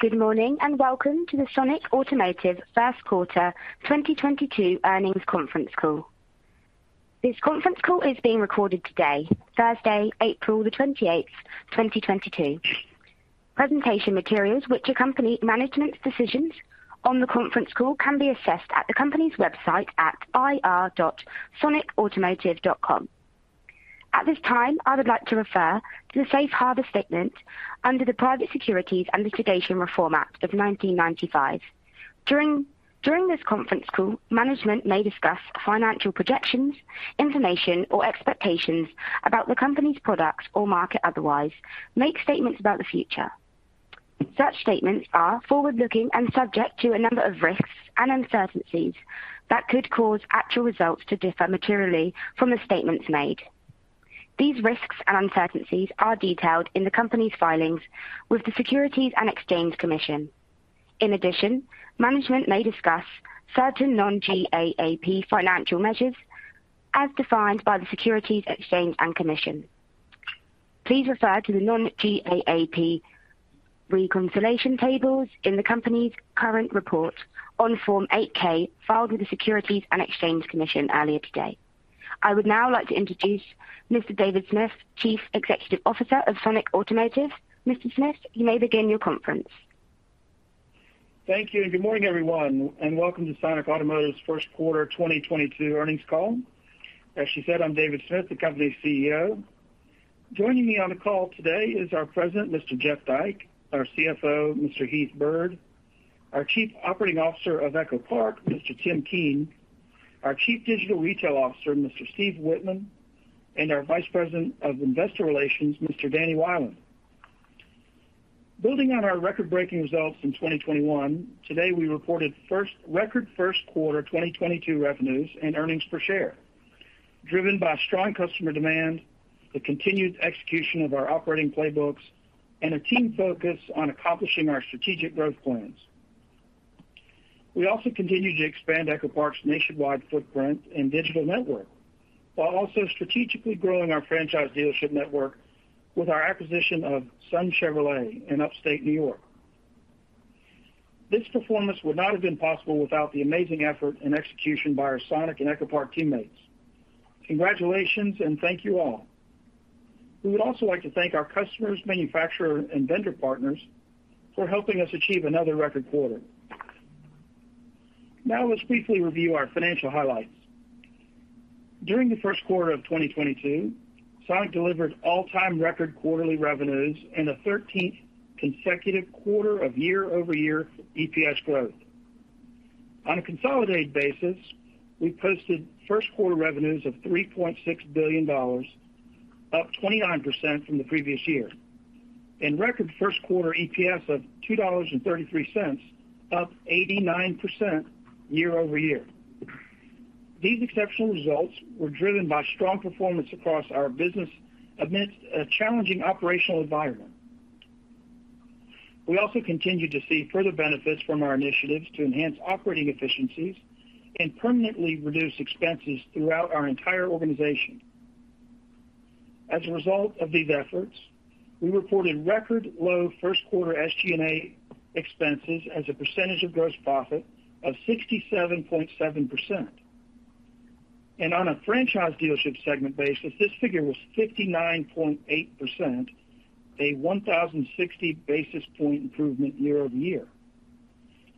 Good morning, and welcome to the Sonic Automotive first quarter 2022 earnings conference call. This conference call is being recorded today, Thursday, April 28, 2022. Presentation materials which accompany management's decisions on the conference call can be accessed at the company's website at ir.sonicautomotive.com. At this time, I would like to refer to the Safe Harbor statement under the Private Securities Litigation Reform Act of 1995. During this conference call, management may discuss financial projections, information or expectations about the company's products or market otherwise, make statements about the future. Such statements are forward-looking and subject to a number of risks and uncertainties that could cause actual results to differ materially from the statements made. These risks and uncertainties are detailed in the company's filings with the Securities and Exchange Commission. In addition, management may discuss certain non-GAAP financial measures as defined by the Securities and Exchange Commission. Please refer to the non-GAAP reconciliation tables in the company's current report on Form 8-K filed with the Securities and Exchange Commission earlier today. I would now like to introduce Mr. David Smith, Chief Executive Officer of Sonic Automotive. Mr. Smith, you may begin your conference. Thank you, and good morning, everyone, and welcome to Sonic Automotive's first quarter 2022 earnings call. As she said, I'm David Smith, the company's CEO. Joining me on the call today is our president, Mr. Jeff Dyke, our CFO, Mr. Heath Byrd, our Chief Operating Officer of EchoPark, Mr. Tim Keen, our Chief Digital Retail Officer, Mr. Steve Wittman, and our Vice President of Investor Relations, Mr. Danny Wieland. Building on our record-breaking results in 2021, today we reported record first quarter 2022 revenues and earnings per share, driven by strong customer demand, the continued execution of our operating playbooks, and a team focus on accomplishing our strategic growth plans. We also continue to expand EchoPark's nationwide footprint and digital network, while also strategically growing our franchise dealership network with our acquisition of Sun Chevrolet in Upstate New York. This performance would not have been possible without the amazing effort and execution by our Sonic and EchoPark teammates. Congratulations, and thank you all. We would also like to thank our customers, manufacturer, and vendor partners for helping us achieve another record quarter. Now let's briefly review our financial highlights. During the first quarter of 2022, Sonic delivered all-time record quarterly revenues and a 13th consecutive quarter of year-over-year EPS growth. On a consolidated basis, we posted first quarter revenues of $3.6 billion, up 29% from the previous year. In record first quarter EPS of $2.33, up 89% year-over-year. These exceptional results were driven by strong performance across our business amidst a challenging operational environment. We also continued to see further benefits from our initiatives to enhance operating efficiencies and permanently reduce expenses throughout our entire organization. As a result of these efforts, we reported record low first quarter SG&A expenses as a percentage of gross profit of 67.7%. On a franchise dealership segment basis, this figure was 59.8%, a 1,060 basis point improvement year-over-year.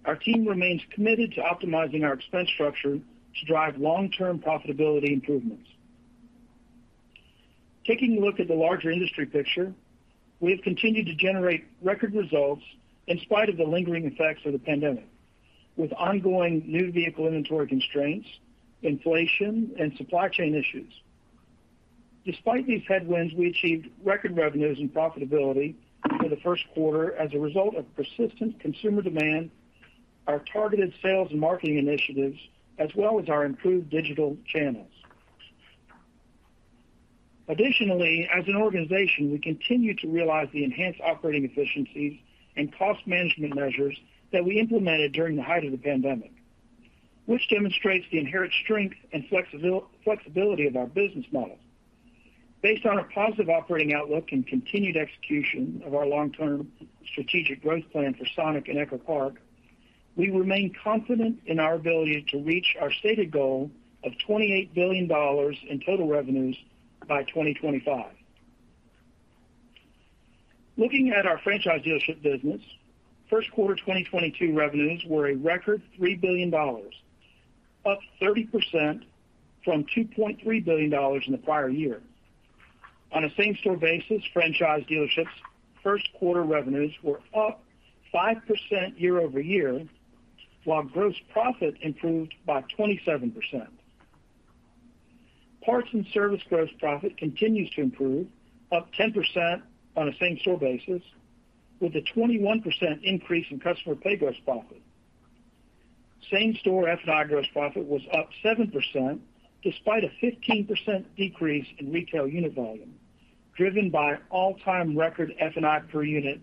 Our team remains committed to optimizing our expense structure to drive long-term profitability improvements. Taking a look at the larger industry picture, we have continued to generate record results in spite of the lingering effects of the pandemic, with ongoing new vehicle inventory constraints, inflation, and supply chain issues. Despite these headwinds, we achieved record revenues and profitability for the first quarter as a result of persistent consumer demand, our targeted sales and marketing initiatives, as well as our improved digital channels. Additionally, as an organization, we continue to realize the enhanced operating efficiencies and cost management measures that we implemented during the height of the pandemic, which demonstrates the inherent strength and flexibility of our business model. Based on a positive operating outlook and continued execution of our long-term strategic growth plan for Sonic and EchoPark, we remain confident in our ability to reach our stated goal of $28 billion in total revenues by 2025. Looking at our franchise dealership business, first quarter 2022 revenues were a record $3 billion, up 30% from $2.3 billion in the prior year. On a same-store basis, franchise dealerships first quarter revenues were up 5% year-over-year, while gross profit improved by 27%. Parts and service gross profit continues to improve, up 10% on a same-store basis, with a 21% increase in customer pay gross profit. Same-store F&I gross profit was up 7% despite a 15% decrease in retail unit volume, driven by all-time record F&I per unit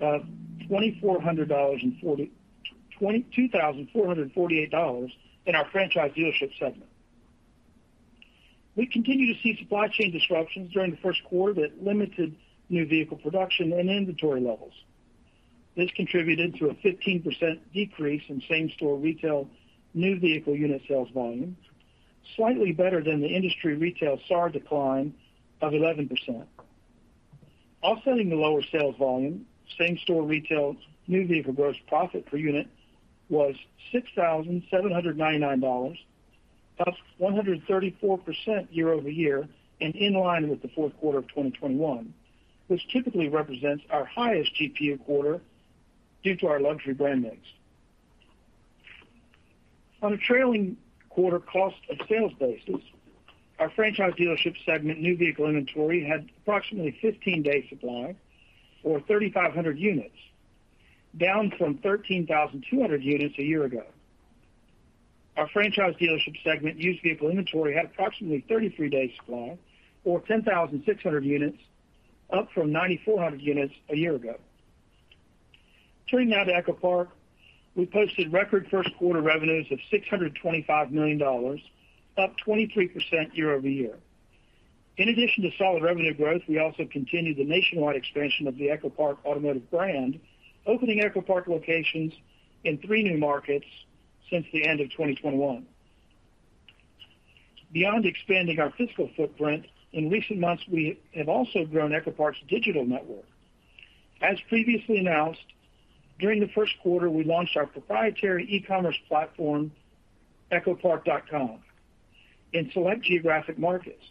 of $2,448 in our franchise dealership segment. We continue to see supply chain disruptions during the first quarter that limited new vehicle production and inventory levels. This contributed to a 15% decrease in same-store retail new vehicle unit sales volume, slightly better than the industry retail SAAR decline of 11%. Offsetting the lower sales volume, same-store retail new vehicle gross profit per unit was $6,799, up 134% year-over-year and in line with the fourth quarter of 2021, which typically represents our highest GPU quarter due to our luxury brand mix. On a trailing quarter cost of sales basis, our franchise dealership segment new vehicle inventory had approximately 15 days' supply or 3,500 units, down from 13,200 units a year ago. Our franchise dealership segment used vehicle inventory had approximately 33 days' supply or 10,600 units, up from 9,400 units a year ago. Turning now to EchoPark. We posted record first quarter revenues of $625 million, up 23% year-over-year. In addition to solid revenue growth, we also continued the nationwide expansion of the EchoPark Automotive brand, opening EchoPark locations in three new markets since the end of 2021. Beyond expanding our physical footprint, in recent months we have also grown EchoPark's digital network. As previously announced, during the first quarter, we launched our proprietary e-commerce platform, echopark.com, in select geographic markets.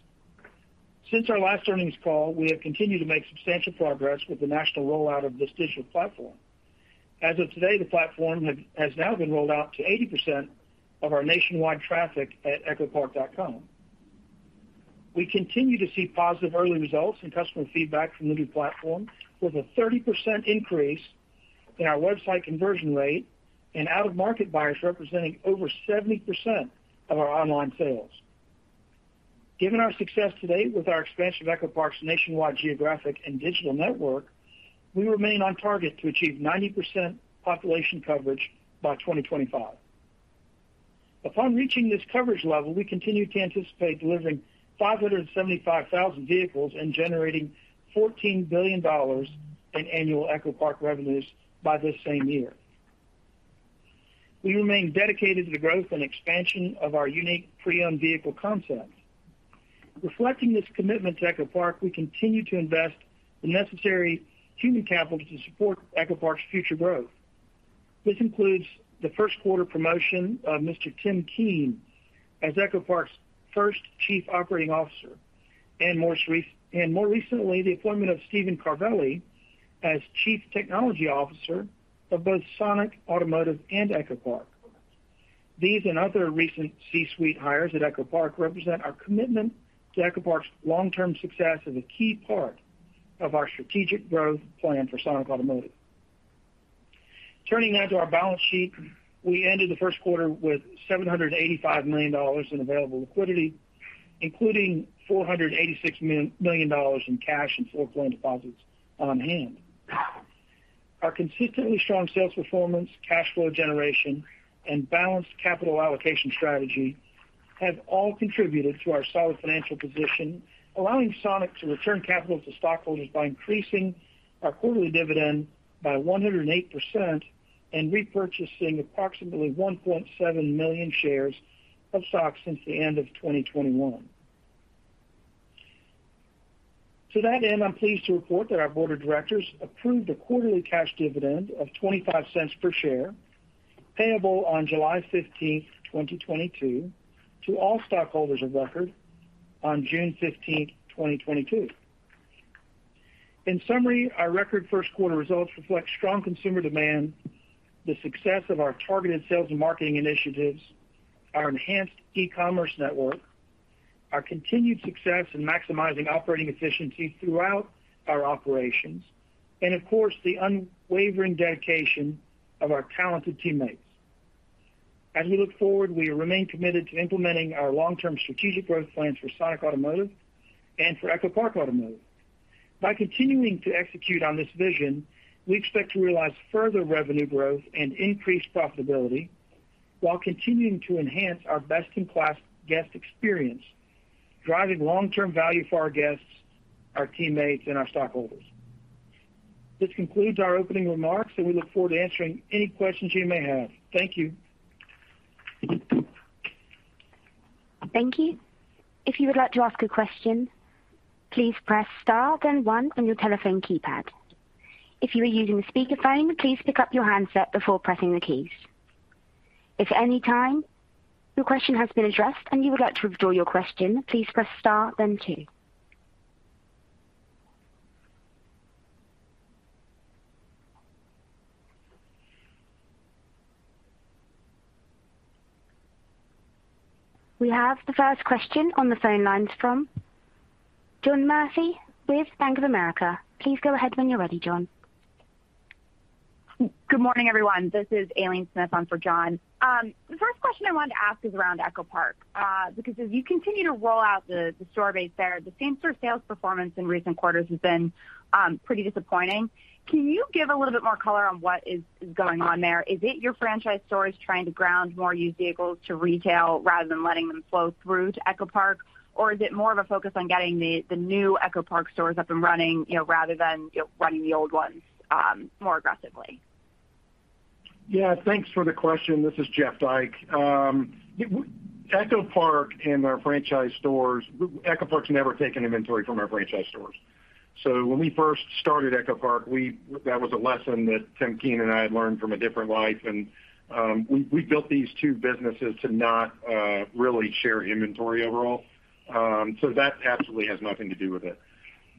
Since our last earnings call, we have continued to make substantial progress with the national rollout of this digital platform. As of today, the platform has now been rolled out to 80% of our nationwide traffic at echopark.com. We continue to see positive early results and customer feedback from the new platform with a 30% increase in our website conversion rate and out-of-market buyers representing over 70% of our online sales. Given our success to date with our expansion of EchoPark's nationwide geographic and digital network, we remain on target to achieve 90% population coverage by 2025. Upon reaching this coverage level, we continue to anticipate delivering 575,000 vehicles and generating $14 billion in annual EchoPark revenues by this same year. We remain dedicated to the growth and expansion of our unique pre-owned vehicle concept. Reflecting this commitment to EchoPark, we continue to invest the necessary human capital to support EchoPark's future growth. This includes the first quarter promotion of Mr. Tim Keen as EchoPark's first Chief Operating Officer, and more recently, the appointment of Stephen Carvelli as Chief Technology Officer of both Sonic Automotive and EchoPark. These and other recent C-suite hires at EchoPark represent our commitment to EchoPark's long-term success as a key part of our strategic growth plan for Sonic Automotive. Turning now to our balance sheet. We ended the first quarter with $785 million in available liquidity, including $486 million in cash and floorplan loan deposits on hand. Our consistently strong sales performance, cash flow generation, and balanced capital allocation strategy have all contributed to our solid financial position, allowing Sonic to return capital to stockholders by increasing our quarterly dividend by 108% and repurchasing approximately 1.7 million shares of stock since the end of 2021. To that end, I'm pleased to report that our board of directors approved a quarterly cash dividend of $0.25 per share, payable on July fifteenth, 2022, to all stockholders of record on June fifteenth, 2022. In summary, our record first quarter results reflect strong consumer demand, the success of our targeted sales and marketing initiatives, our enhanced e-commerce network, our continued success in maximizing operating efficiency throughout our operations, and of course, the unwavering dedication of our talented teammates. As we look forward, we remain committed to implementing our long-term strategic growth plans for Sonic Automotive and for EchoPark Automotive. By continuing to execute on this vision, we expect to realize further revenue growth and increased profitability while continuing to enhance our best-in-class guest experience, driving long-term value for our guests, our teammates, and our stockholders. This concludes our opening remarks, and we look forward to answering any questions you may have. Thank you. Thank you. If you would like to ask a question, please press star then one on your telephone keypad. If you are using a speakerphone, please pick up your handset before pressing the keys. If at any time your question has been addressed and you would like to withdraw your question, please press star then two. We have the first question on the phone lines from John Murphy with Bank of America. Please go ahead when you're ready, John. Good morning, everyone. This is Aileen Smith on for John. The first question I wanted to ask is around EchoPark. Because as you continue to roll out the store base there, the same store sales performance in recent quarters has been pretty disappointing. Can you give a little bit more color on what is going on there? Is it your franchise stores trying to ground more used vehicles to retail rather than letting them flow through to EchoPark? Or is it more of a focus on getting the new EchoPark stores up and running, you know, rather than running the old ones more aggressively? Yeah, thanks for the question. This is Jeff Dyke. EchoPark and our franchise stores, EchoPark's never taken inventory from our franchise stores. When we first started EchoPark, that was a lesson that Tim Keen and I had learned from a different life. We built these two businesses to not really share inventory overall. That absolutely has nothing to do with it.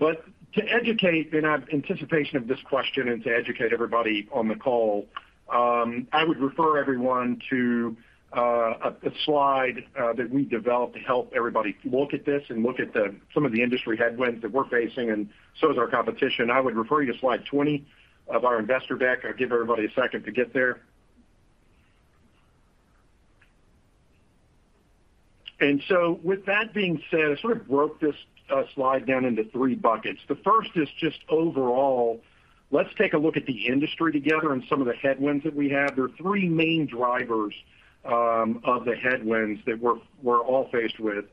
To educate in anticipation of this question and to educate everybody on the call, I would refer everyone to a slide that we developed to help everybody look at this and look at some of the industry headwinds that we're facing, and so is our competition. I would refer you to Slide 20 of our investor deck. I'll give everybody a second to get there. With that being said, I sort of broke this slide down into three buckets. The first is just overall, let's take a look at the industry together and some of the headwinds that we have. There are three main drivers of the headwinds that we're all faced with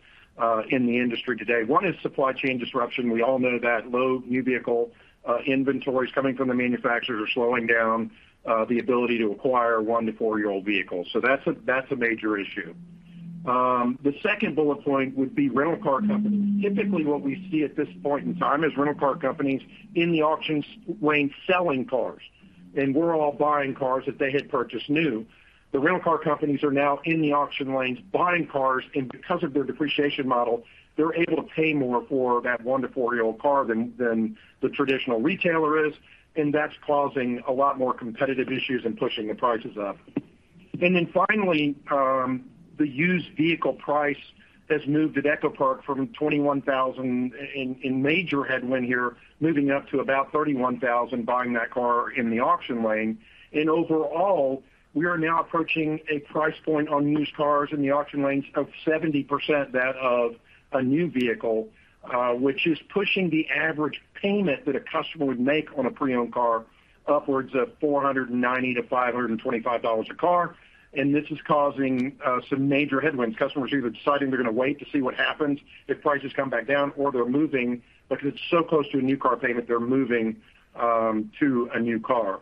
in the industry today. One is supply chain disruption. We all know that low new vehicle inventories coming from the manufacturers are slowing down the ability to acquire 1-4-year-old vehicles. That's a major issue. The second bullet point would be rental car companies. Typically, what we see at this point in time is rental car companies in the auction lane selling cars, and we're all buying cars that they had purchased new. The rental car companies are now in the auction lanes buying cars, and because of their depreciation model, they're able to pay more for that 1 to 4-year-old car than the traditional retailer is, and that's causing a lot more competitive issues and pushing the prices up. Finally, the used vehicle price has moved at EchoPark from 21,000 in major headwind here, moving up to about 31,000 buying that car in the auction lane. Overall, we are now approaching a price point on used cars in the auction lanes of 70% that of a new vehicle, which is pushing the average payment that a customer would make on a pre-owned car upwards of $490-$525 a car. This is causing some major headwinds. Customers are either deciding they're going to wait to see what happens if prices come back down or they're moving, because it's so close to a new car payment, they're moving to a new car.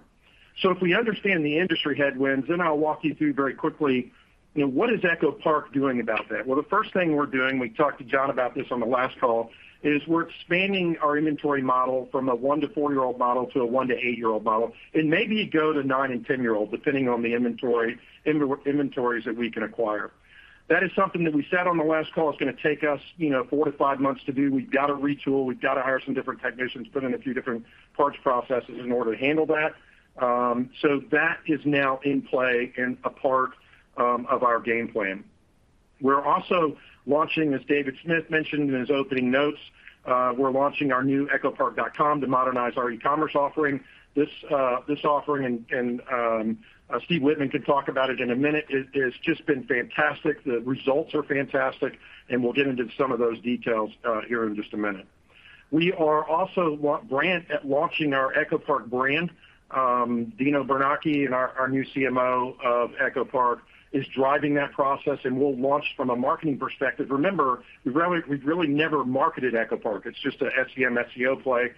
If we understand the industry headwinds, then I'll walk you through very quickly, you know, what is EchoPark doing about that? Well, the first thing we're doing, we talked to John about this on the last call, is we're expanding our inventory model from a 1- to 4-year-old model to a 1- to 8-year-old model, and maybe go to 9- and 10-year-old, depending on the inventory that we can acquire. That is something that we said on the last call. It's going to take us, you know, 4- to 5 months to do. We've got to retool, we've got to hire some different technicians, put in a few different parts processes in order to handle that. So that is now in play and a part of our game plan. We're also launching, as David Smith mentioned in his opening notes, we're launching our new echopark.com to modernize our e-commerce offering. This offering and Steve Wittman can talk about it in a minute. It's just been fantastic. The results are fantastic, and we'll get into some of those details here in just a minute. We are also launching our EchoPark brand. Dino Bernacchi and our new CMO of EchoPark is driving that process, and we'll launch from a marketing perspective. Remember, we've really never marketed EchoPark. It's just a SEM, SEO play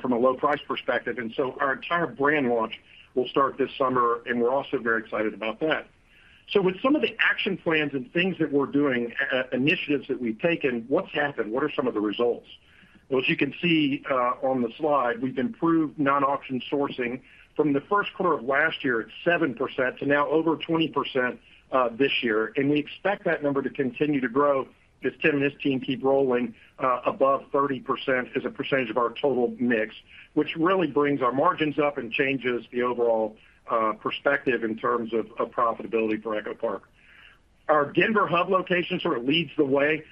from a low price perspective. Our entire brand launch will start this summer, and we're also very excited about that. With some of the action plans and things that we're doing, initiatives that we've taken, what's happened? What are some of the results? Well, as you can see, on the slide, we've improved non-auction sourcing from the first quarter of last year at 7% to now over 20%, this year. We expect that number to continue to grow as Tim and his team keep rolling, above 30% as a percentage of our total mix, which really brings our margins up and changes the overall, perspective in terms of profitability for EchoPark. Our Denver hub location sort of leads the way.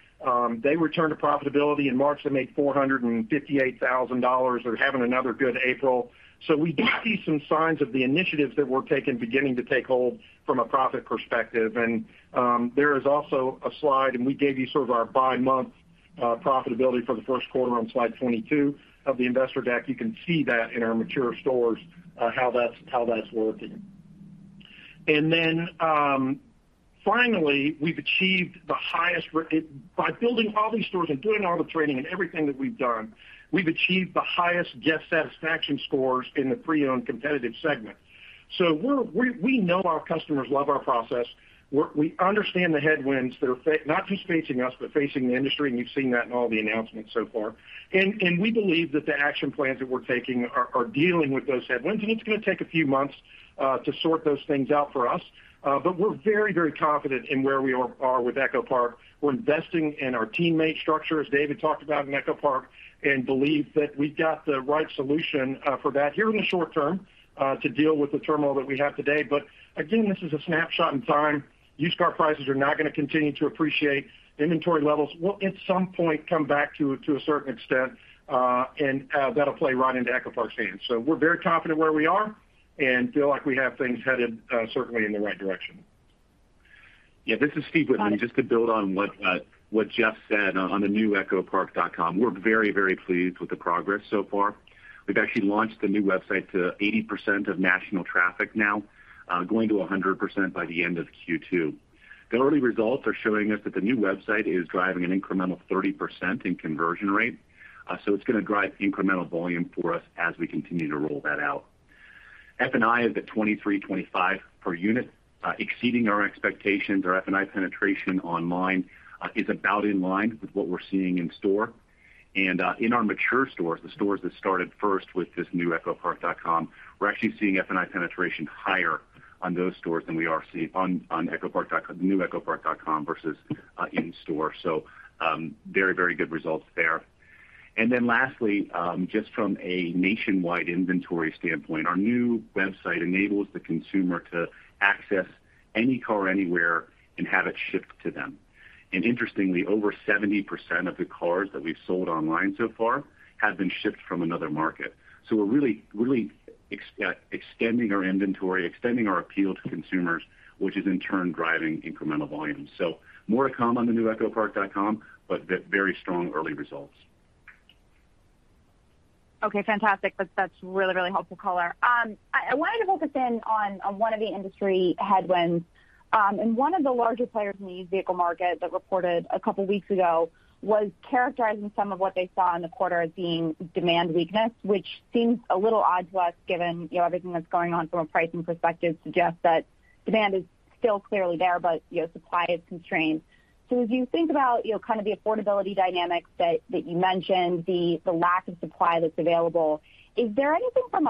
They returned to profitability in March. They made $458,000. They're having another good April. We do see some signs of the initiatives that we're taking beginning to take hold from a profit perspective. There is also a slide, and we gave you sort of our by month profitability for the first quarter on Slide 22 of the investor deck. You can see that in our mature stores, how that's working. Finally, by building all these stores and doing all the trading and everything that we've done, we've achieved the highest guest satisfaction scores in the pre-owned competitive segment. We know our customers love our process. We understand the headwinds that are facing not just us, but the industry, and you've seen that in all the announcements so far. We believe that the action plans that we're taking are dealing with those headwinds. It's going to take a few months to sort those things out for us. We're very, very confident in where we are with EchoPark. We're investing in our teammate structure, as David talked about in EchoPark, and believe that we've got the right solution for that here in the short term to deal with the turmoil that we have today. Again, this is a snapshot in time. Used car prices are now going to continue to appreciate. Inventory levels will at some point come back to a certain extent, and that'll play right into EchoPark's hands. We're very confident where we are and feel like we have things headed certainly in the right direction. This is Steve Wittman. Just to build on what Jeff said on the new EchoPark.com. We're very pleased with the progress so far. We've actually launched the new website to 80% of national traffic now, going to 100% by the end of Q2. The early results are showing us that the new website is driving an incremental 30% in conversion rate. So it's gonna drive incremental volume for us as we continue to roll that out. F&I is at $23-$25 per unit, exceeding our expectations. Our F&I penetration online is about in line with what we're seeing in store. In our mature stores, the stores that started first with this new EchoPark.com, we're actually seeing F&I penetration higher on those stores than we are on EchoPark.com, new EchoPark.com versus in store. Very good results there. Lastly, just from a nationwide inventory standpoint, our new website enables the consumer to access any car anywhere and have it shipped to them. Interestingly, over 70% of the cars that we've sold online so far have been shipped from another market. We're really extending our inventory, extending our appeal to consumers, which is in turn driving incremental volumes. More to come on the new echopark.com, but very strong early results. Okay, fantastic. That's really helpful color. I wanted to focus in on one of the industry headwinds. One of the larger players in the used vehicle market that reported a couple weeks ago was characterizing some of what they saw in the quarter as being demand weakness, which seems a little odd to us given, you know, everything that's going on from a pricing perspective suggests that demand is still clearly there, but, you know, supply is constrained. As you think about, you know, kind of the affordability dynamics that you mentioned, the lack of supply that's available, is there anything from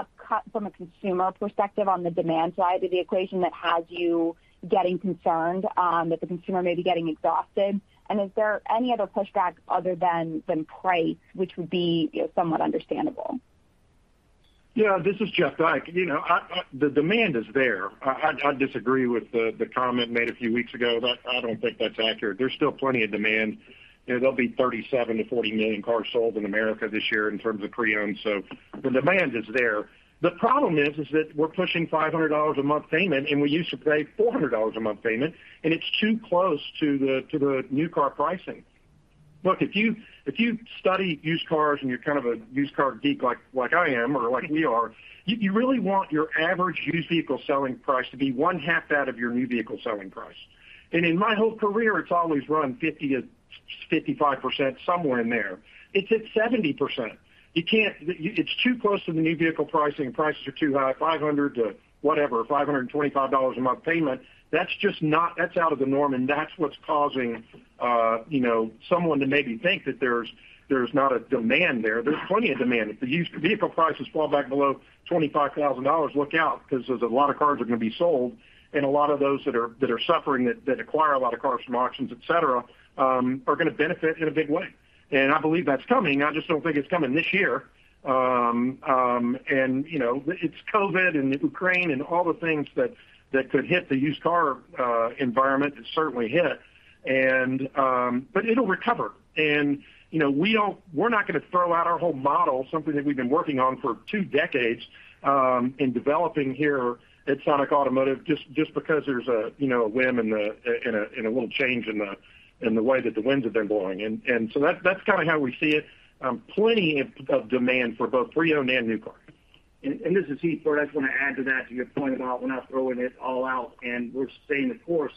a consumer perspective on the demand side of the equation that has you getting concerned that the consumer may be getting exhausted? Is there any other pushback other than price, which would be, you know, somewhat understandable? Yeah, this is Jeff Dyke. You know, the demand is there. I disagree with the comment made a few weeks ago. That. I don't think that's accurate. There's still plenty of demand. You know, there'll be 37-40 million cars sold in America this year in terms of pre-owned, so the demand is there. The problem is that we're pushing $500 a month payment, and we used to pay $400 a month payment, and it's too close to the new car pricing. Look, if you study used cars and you're kind of a used car geek like I am or like we are, you really want your average used vehicle selling price to be one half that of your new vehicle selling price. In my whole career, it's always run 50-55%, somewhere in there. It's at 70%. It's too close to the new vehicle pricing. Prices are too high, $500 to whatever, $525 a month payment. That's just not that's out of the norm, and that's what's causing, you know, someone to maybe think that there's not a demand there. There's plenty of demand. If the used vehicle prices fall back below $25,000, look out, 'cause there's a lot of cars are gonna be sold, and a lot of those that are suffering that acquire a lot of cars from auctions, et cetera, are gonna benefit in a big way. I believe that's coming. I just don't think it's coming this year. You know, it's COVID and Ukraine and all the things that could hit the used car environment. It certainly hit. It'll recover. You know, we're not gonna throw out our whole model, something that we've been working on for two decades and developing here at Sonic Automotive, just because there's a you know, a whim in a little change in the way that the winds have been blowing. So that's kinda how we see it. Plenty of demand for both pre-owned and new cars. This is Heath. I just wanna add to that, to your point about we're not throwing it all out and we're staying the course.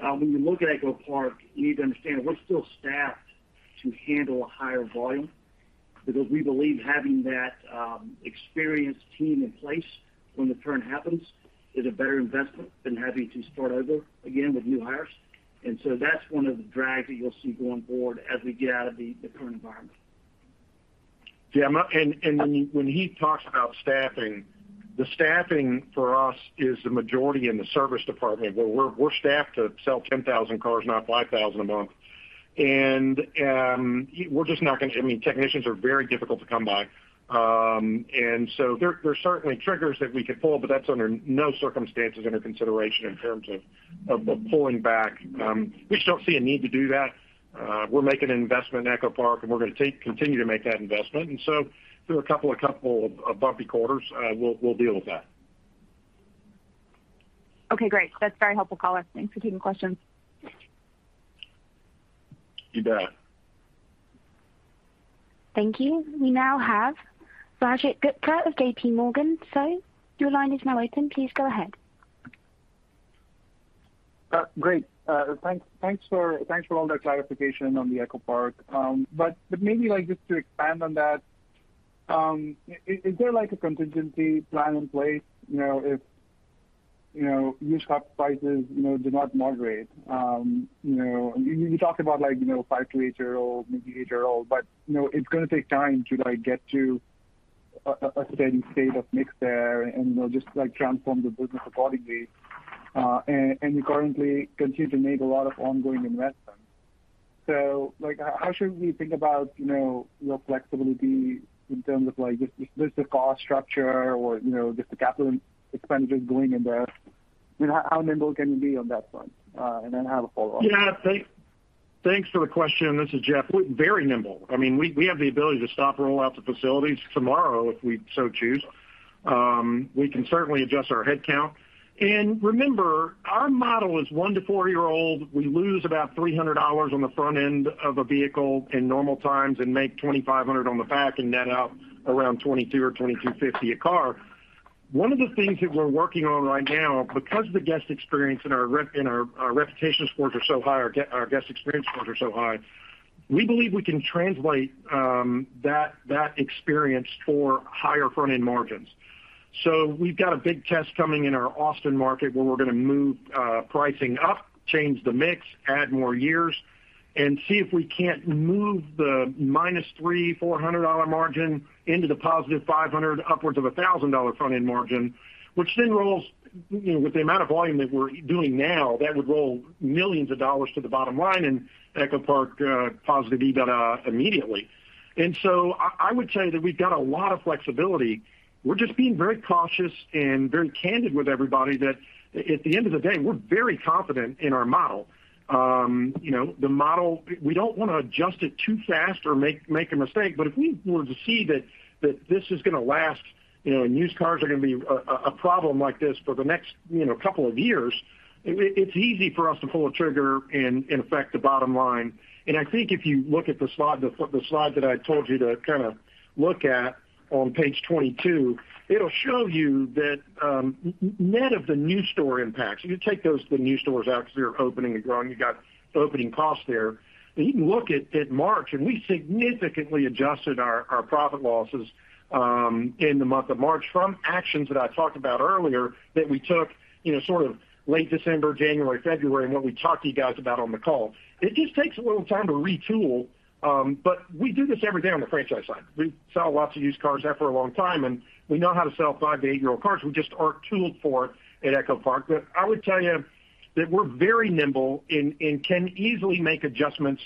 When you look at EchoPark, you need to understand we're still staffed to handle a higher volume because we believe having that experienced team in place when the turn happens is a better investment than having to start over again with new hires. That's one of the drags that you'll see going forward as we get out of the current environment. When Heath talks about staffing, the staffing for us is the majority in the service department, where we're staffed to sell 10,000 cars, not 5,000 a month. We're just not gonna. I mean, technicians are very difficult to come by. There are certainly triggers that we could pull, but that's under no circumstances under consideration in terms of pulling back. We just don't see a need to do that. We're making an investment in EchoPark, and we're gonna continue to make that investment. Through a couple of bumpy quarters, we'll deal with that. Okay, great. That's very helpful color. Thanks for taking the question. You bet. Thank you. We now have Rajat Gupta of JPMorgan. Sir, your line is now open. Please go ahead. Great. Thanks for all that clarification on the EchoPark. But maybe just to expand on that, is there a contingency plan in place, you know, if used car prices do not moderate? You know, you talked about like, you know, 5- to 8-year-old, maybe 8-year-old, but you know, it's gonna take time to like get to a steady state of mix there and you know, just like transform the business accordingly. And you currently continue to make a lot of ongoing investments. So like how should we think about, you know, your flexibility in terms of like just the cost structure or you know, just the capital expenditures going in there? I mean, how nimble can you be on that front? And then I have a follow-up. Thanks for the question. This is Jeff. We're very nimble. I mean, we have the ability to stop rollouts at facilities tomorrow if we so choose. We can certainly adjust our headcount. Remember, our model is 1-4-year-old. We lose about $300 on the front end of a vehicle in normal times and make $2,500 on the back and net out around $2,200 or $2,250 a car. One of the things that we're working on right now, because the guest experience and our reputation scores are so high, our guest experience scores are so high, we believe we can translate that experience for higher front-end margins. We've got a big test coming in our Austin market where we're gonna move pricing up, change the mix, add more years, and see if we can't move the minus $300-$400 margin into the positive $500 upwards of $1,000 front-end margin, which then rolls, you know, with the amount of volume that we're doing now, that would roll $ millions to the bottom line and EchoPark positive EBITDA immediately. I would tell you that we've got a lot of flexibility. We're just being very cautious and very candid with everybody that at the end of the day, we're very confident in our model. You know, the model. We don't wanna adjust it too fast or make a mistake, but if we were to see that this is gonna last, you know, and used cars are gonna be a problem like this for the next, you know, couple of years, it's easy for us to pull a trigger and affect the bottom line. I think if you look at the slide that I told you to kinda look at on page 22, it'll show you that none of the new store impacts. You take those new stores out 'cause they're opening and growing, you got opening costs there. You can look at March, and we significantly adjusted our P&L in the month of March from actions that I talked about earlier that we took, you know, sort of late December, January, February, and what we talked to you guys about on the call. It just takes a little time to retool, but we do this every day on the franchise side. We sell lots of used cars there for a long time, and we know how to sell 5-8-year-old cars. We just aren't tooled for it at EchoPark. I would tell you that we're very nimble and can easily make adjustments,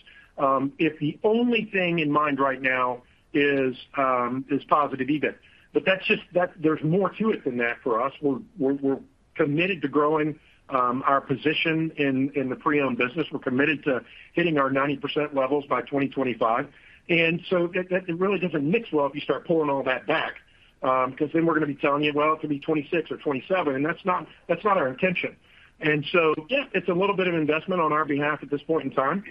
if the only thing in mind right now is positive EBIT. That's just that there's more to it than that for us. We're committed to growing our position in the pre-owned business. We're committed to hitting our 90% levels by 2025. It really doesn't mix well if you start pulling all that back, 'cause then we're gonna be telling you, "Well, it could be 2026 or 2027," and that's not our intention. Yes, it's a little bit of investment on our behalf at this point in time.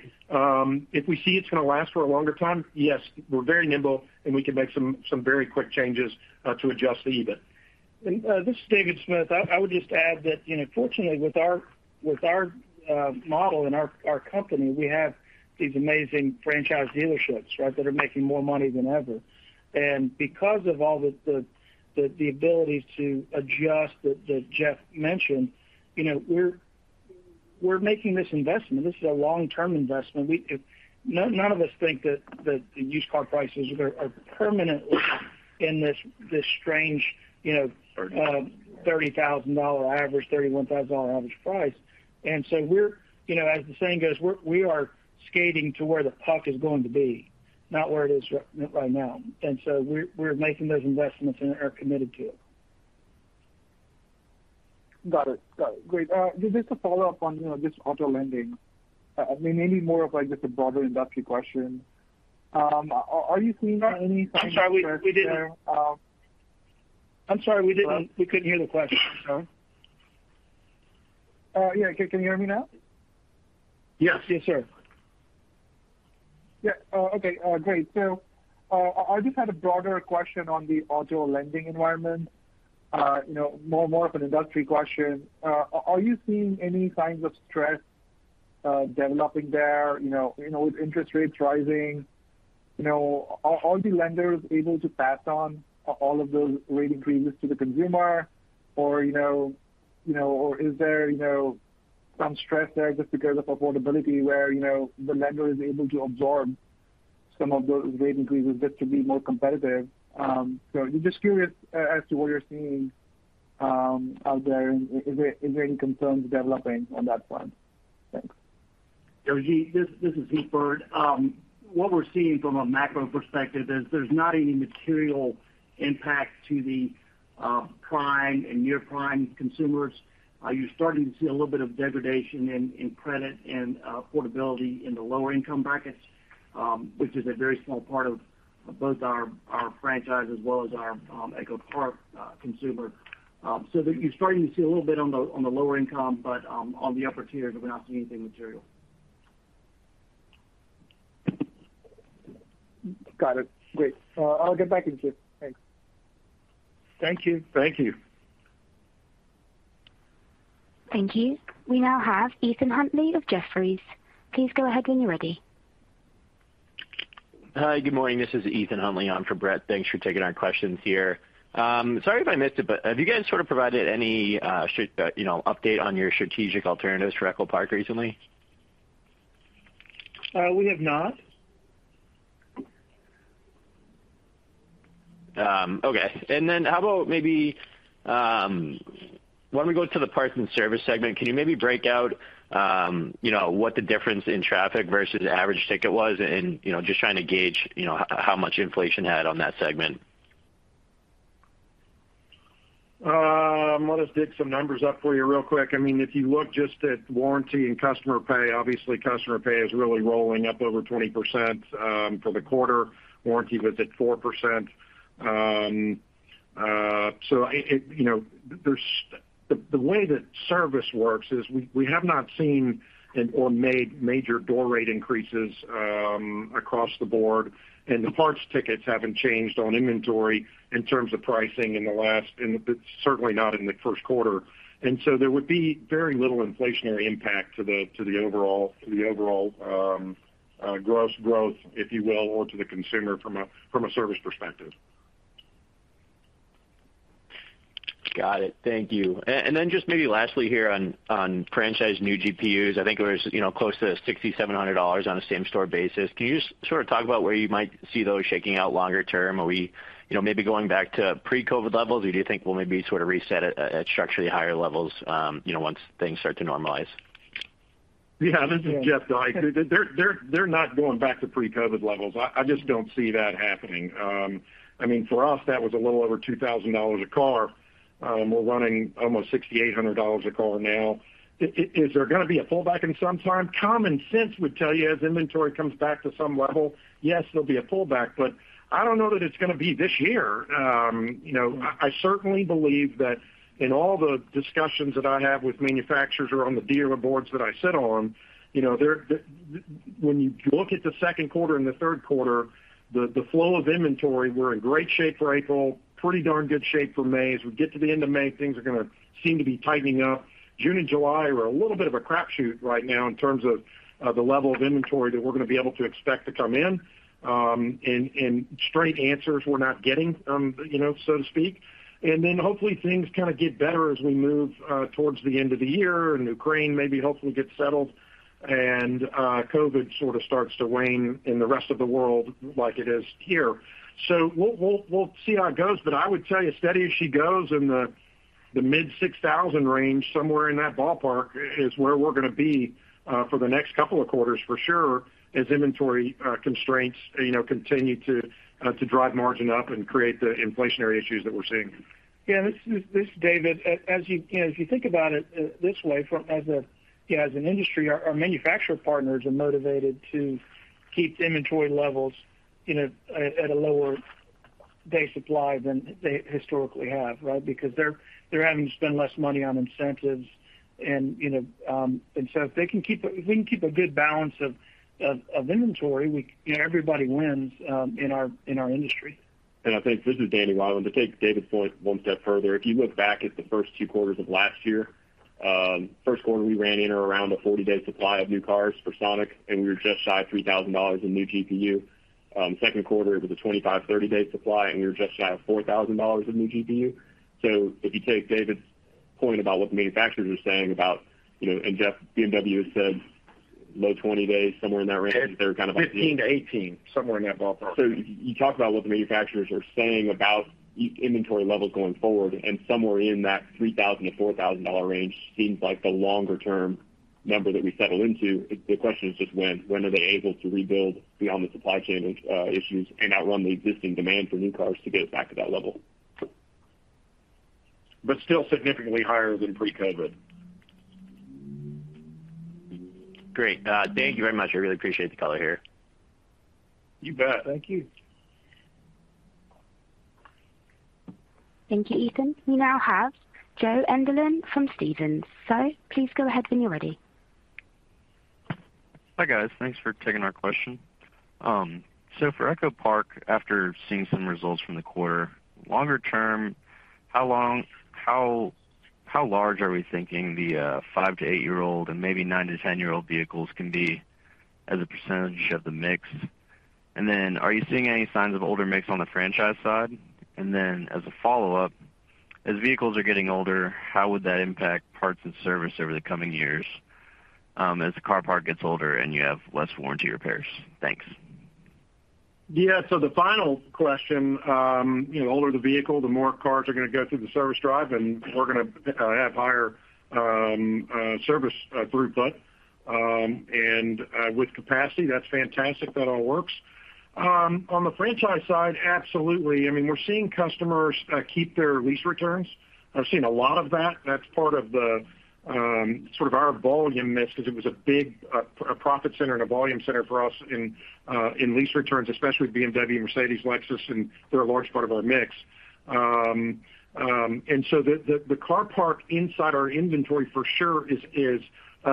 If we see it's gonna last for a longer time, yes, we're very nimble, and we can make some very quick changes to adjust the EBIT. This is David Smith. I would just add that, you know, fortunately with our model and our company, we have these amazing franchise dealerships, right? That are making more money than ever. Because of all the ability to adjust that Jeff mentioned, you know, we're making this investment. This is a long-term investment. None of us think that the used car prices are permanently in this strange, you know, $30,000 average, $31,000 average price. We're, you know, as the saying goes, we are skating to where the puck is going to be, not where it is right now. We're making those investments and are committed to it. Got it. Great. Just a follow-up on, you know, just auto lending. I mean, maybe more of like just a broader industry question. Are you seeing any kind of stress there? I'm sorry. We didn't. Hello? We couldn't hear the question. Sorry. Yeah. Can you hear me now? Yes. Yes, sir. Yeah. Oh, okay. Great. I just had a broader question on the auto lending environment, you know, more of an industry question. Are you seeing any signs of stress developing there, you know, with interest rates rising? You know, are the lenders able to pass on all of those rate increases to the consumer? Or, you know, or is there some stress there just because of affordability where the lender is able to absorb some of those rate increases just to be more competitive? Just curious as to what you're seeing out there, and is there any concerns developing on that front? Thanks. Rajat Gupta, this is Heath Byrd. What we're seeing from a macro perspective is there's not any material impact to the prime and near prime consumers. You're starting to see a little bit of degradation in credit and affordability in the lower income brackets, which is a very small part of both our franchise as well as our EchoPark consumer. You're starting to see a little bit on the lower income, but on the upper tiers, we're not seeing anything material. Got it. Great. I'll get back in queue. Thanks. Thank you. Thank you. Thank you. We now have Ethan Huntley of Jefferies. Please go ahead when you're ready. Hi. Good morning. This is Ethan Huntley on for Brett. Thanks for taking our questions here. Sorry if I missed it, but have you guys sort of provided any, you know, update on your strategic alternatives for EchoPark recently? We have not. Okay. How about maybe when we go to the parts and service segment, can you maybe break out you know what the difference in traffic versus average ticket was? You know, just trying to gauge you know how much inflation had on that segment. Let us dig some numbers up for you real quick. I mean, if you look just at warranty and customer pay, obviously customer pay is really rolling up over 20%, for the quarter. Warranty was at 4%. You know, there's the way that service works is we have not seen or made major door rate increases across the board, and the parts tickets haven't changed on inventory in terms of pricing in the last, and it's certainly not in the first quarter. There would be very little inflationary impact to the overall gross growth, if you will, or to the consumer from a service perspective. Got it. Thank you. Then just maybe lastly here on franchise new GPUs. I think it was, you know, close to $6,700 on a same-store basis. Can you just sort of talk about where you might see those shaking out longer term? Are we, you know, maybe going back to pre-COVID levels or do you think we'll maybe sort of reset at structurally higher levels, you know, once things start to normalize? Yeah. This is Jeff Dyke. They're not going back to pre-COVID levels. I just don't see that happening. I mean, for us, that was a little over $2,000 a car. We're running almost $6,800 a car now. Is there gonna be a pullback in some time? Common sense would tell you as inventory comes back to some level, yes, there'll be a pullback, but I don't know that it's gonna be this year. You know, I certainly believe that in all the discussions that I have with manufacturers or on the dealer boards that I sit on, you know. When you look at the second quarter and the third quarter, the flow of inventory, we're in great shape for April, pretty darn good shape for May. As we get to the end of May, things are gonna seem to be tightening up. June and July are a little bit of a crapshoot right now in terms of the level of inventory that we're gonna be able to expect to come in. And straight answers we're not getting, you know, so to speak. Then hopefully things kind of get better as we move towards the end of the year and Ukraine maybe hopefully gets settled and COVID sort of starts to wane in the rest of the world like it is here. We'll see how it goes. I would tell you steady as she goes in the mid-6,000 range, somewhere in that ballpark is where we're gonna be for the next couple of quarters for sure as inventory constraints, you know, continue to drive margin up and create the inflationary issues that we're seeing. Yeah, this is David. As you know, if you think about it this way, as an industry, our manufacturer partners are motivated to keep inventory levels, you know, at a lower day supply than they historically have, right? Because they're having to spend less money on incentives and, you know, and so if we can keep a good balance of inventory, we, you know, everybody wins in our industry. I think this is Danny Wieland. To take David's point one step further, if you look back at the first two quarters of last year, first quarter we ran in or around a 40-day supply of new cars for Sonic, and we were just shy of $3,000 in new GPU. Second quarter it was a 25-30-day supply, and we were just shy of $4,000 in new GPU. If you take David's point about what the manufacturers are saying about, you know, and Jeff, BMW has said low 20 days, somewhere in that range. They're kind of 15 to 18, somewhere in that ballpark. You talk about what the manufacturers are saying about inventory levels going forward and somewhere in that $3,000-$4,000 range seems like the longer term number that we settle into. The question is just when are they able to rebuild beyond the supply chain issues and outrun the existing demand for new cars to get it back to that level? Still significantly higher than pre-COVID. Great. Thank you very much. I really appreciate the color here. You bet. Thank you. Thank you, Ethan. We now have Joe Enderlin from Stephens. Please go ahead when you're ready. Hi, guys. Thanks for taking our question. For EchoPark, after seeing some results from the quarter, longer term, how large are we thinking the 5-8-year-old and maybe 9-10-year-old vehicles can be as a percentage of the mix? Are you seeing any signs of older mix on the franchise side? As a follow-up, as vehicles are getting older, how would that impact parts and service over the coming years, as the car park gets older and you have less warranty repairs? Thanks. Yeah. The final question, you know, the older the vehicle, the more cars are gonna go through the service drive and we're gonna have higher service throughput. With capacity, that's fantastic, that all works. On the franchise side, absolutely. I mean, we're seeing customers keep their lease returns. I've seen a lot of that. That's part of the sort of our volume mix 'cause it was a big profit center and a volume center for us in lease returns, especially with BMW and Mercedes, Lexus, and they're a large part of our mix. The car park inside our inventory for sure is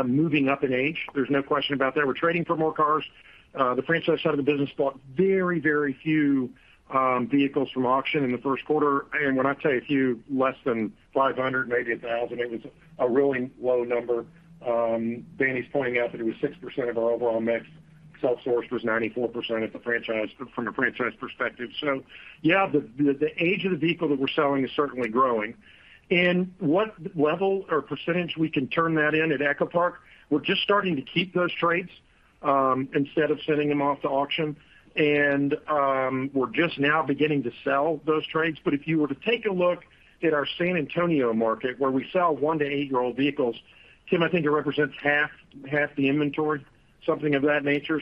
moving up in age. There's no question about that. We're trading for more cars. The franchise side of the business bought very few vehicles from auction in the first quarter. When I tell you a few, less than 500, maybe 1,000, it was a really low number. Danny's pointing out that it was 6% of our overall mix. Self-source was 94% of the franchise from a franchise perspective. Yeah, the age of the vehicle that we're selling is certainly growing. What level or percentage we can turn that in at EchoPark, we're just starting to keep those trades instead of sending them off to auction. We're just now beginning to sell those trades. If you were to take a look at our San Antonio market where we sell 1- to 8-year-old vehicles, Tim, I think it represents half the inventory? Something of that nature.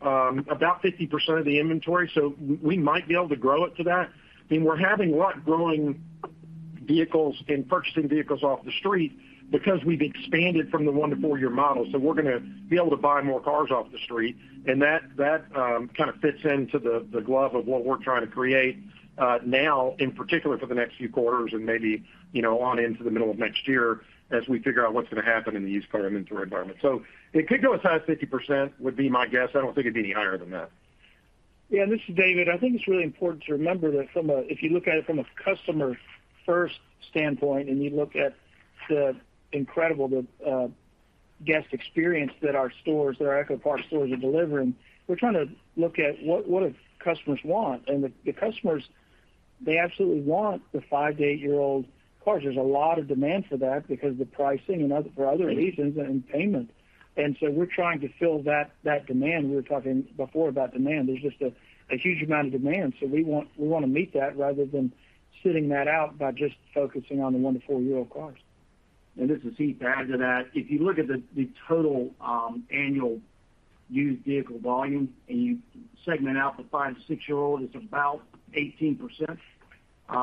About 50% of the inventory, so we might be able to grow it to that. I mean, we're having luck growing vehicles and purchasing vehicles off the street because we've expanded from the one- to four-year models. We're gonna be able to buy more cars off the street, and that kind of fits into the groove of what we're trying to create now in particular for the next few quarters and maybe, you know, on into the middle of next year as we figure out what's gonna happen in the used car inventory environment. It could go as high as 50%, would be my guess. I don't think it'd be any higher than that. Yeah, this is David. I think it's really important to remember that from a if you look at it from a customer first standpoint, and you look at the incredible guest experience that our stores, that our EchoPark stores are delivering, we're trying to look at what do customers want. The customers, they absolutely want the five to eight-year-old cars. There's a lot of demand for that because the pricing and other reasons and payment. We're trying to fill that demand. We were talking before about demand. There's just a huge amount of demand. We want to meet that rather than sitting that out by just focusing on the one to four-year-old cars. This is Heath. To add to that, if you look at the total annual used vehicle volume and you segment out the 5-6-year-old, it's about 18%,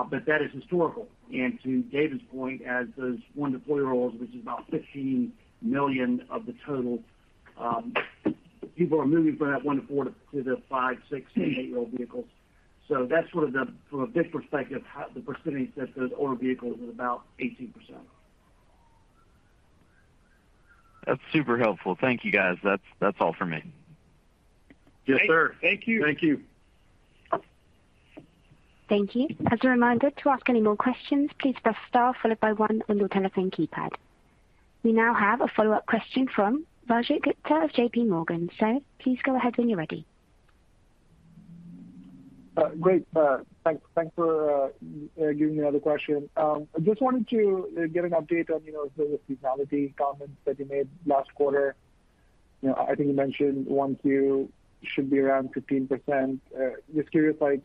but that is historical. To David's point, as those 1-4-year-olds, which is about 15 million of the total, people are moving from that 1-4 to the 5-6 to 8-year-old vehicles. That's sort of the, from a big perspective, how the percentage that those older vehicles is about 18%. That's super helpful. Thank you, guys. That's all for me. Yes, sir. Thank you. Thank you. Thank you. As a reminder to ask any more questions, please press star followed by one on your telephone keypad. We now have a follow-up question from Rajat Gupta of J.P. Morgan. Sir, please go ahead when you're ready. Great. Thanks for giving me another question. I just wanted to get an update on, you know, the seasonality comments that you made last quarter. You know, I think you mentioned 1Q should be around 15%. Just curious, like,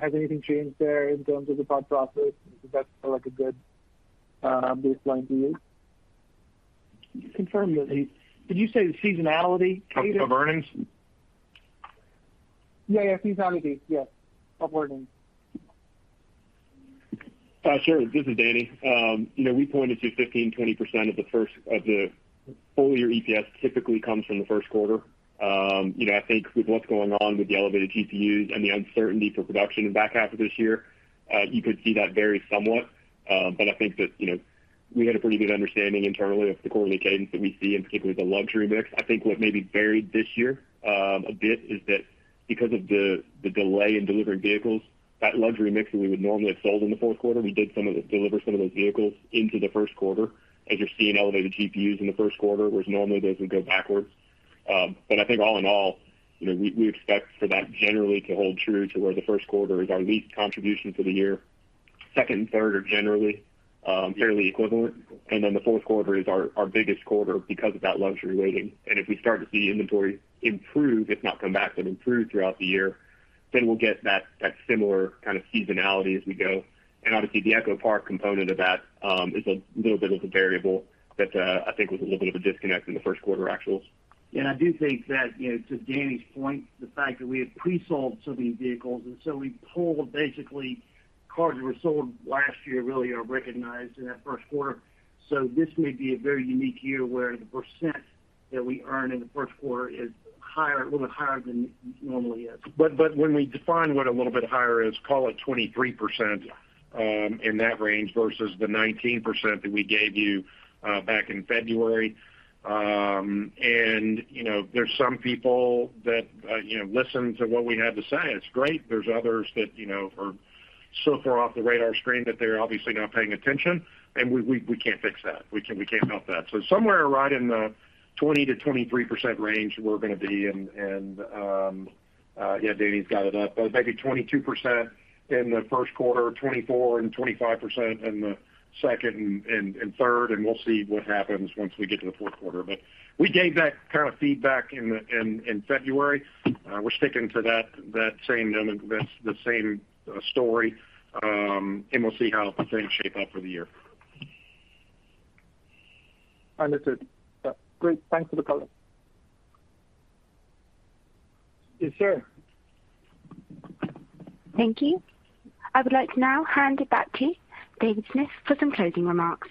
has anything changed there in terms of the thought process? Is that still like a good baseline to use? Did you say the seasonality? Of earnings? Yeah, seasonality. Yes. Of earnings. Sure. This is Danny. You know, we pointed to 15%-20% of the full year EPS typically comes from the first quarter. You know, I think with what's going on with the elevated GPUs and the uncertainty for production in the back half of this year, you could see that vary somewhat. But I think that, you know, we had a pretty good understanding internally of the quarterly cadence that we see, in particular the luxury mix. I think what may be varied this year a bit is that because of the delay in delivering vehicles, that luxury mix that we would normally have sold in the fourth quarter, we did deliver some of those vehicles into the first quarter, as you're seeing elevated GPUs in the first quarter, whereas normally it doesn't go backwards. I think all in all, you know, we expect for that generally to hold true to where the first quarter is our least contribution for the year. Second and third are generally fairly equivalent. Then the fourth quarter is our biggest quarter because of that luxury weighting. If we start to see inventory improve, if not come back, but improve throughout the year, then we'll get that similar kind of seasonality as we go. Obviously the EchoPark component of that is a little bit of a variable that I think was a little bit of a disconnect in the first quarter actuals. Yeah, I do think that, you know, to Danny's point, the fact that we have pre-sold some of these vehicles, and so we pulled basically cars that were sold last year really are recognized in that first quarter. This may be a very unique year where the percent that we earn in the first quarter is higher, a little bit higher than it normally is. When we define what a little bit higher is, call it 23%, in that range versus the 19% that we gave you back in February. You know, there's some people that you know listen to what we have to say, and it's great. There's others that you know are so far off the radar screen that they're obviously not paying attention, and we can't fix that. We can't help that. Somewhere right in the 20%-23% range we're gonna be. Danny's got it up. Maybe 22% in the first quarter, 24% and 25% in the second and third, and we'll see what happens once we get to the fourth quarter. We gave that kind of feedback in February. We're sticking to that same demo, that's the same story, and we'll see how things shape up for the year. Understood. Great. Thanks for the color. Yes, sir. Thank you. I would like to now hand it back to David Smith for some closing remarks.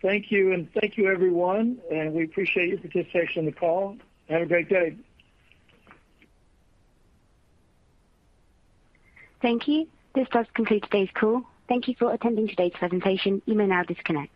Thank you, and thank you everyone, and we appreciate your participation in the call. Have a great day. Thank you. This does conclude today's call. Thank you for attending today's presentation. You may now disconnect.